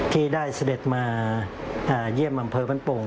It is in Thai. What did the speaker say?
ที่ได้เสด็จมาเยี่ยมอำเภอพลันปลูก